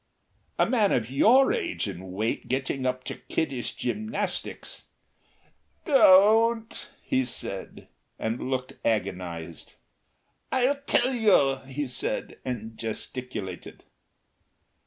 "A man of your age and weight getting up to kiddish gymnastics " "Don't," he said, and looked agonised. "I'll tell you," he said, and gesticulated.